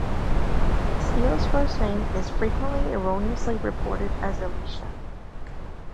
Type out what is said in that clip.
Steele's first name is frequently erroneously reported as Elisha.